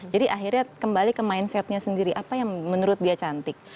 jadi akhirnya kembali ke mindsetnya sendiri apa yang menurut dia cantik